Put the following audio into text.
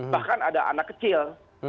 bahkan ada anak kecil